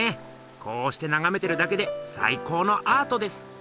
こうしてながめてるだけで最高のアートです！